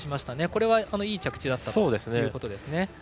これはいい着地だったということですね。